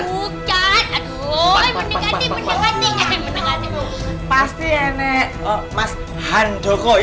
aduh menikmati menikmati pasti enek mas hantoko ya toh